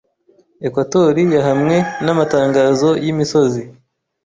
Ekwatori yahamwe n'amatangazo y'imisozi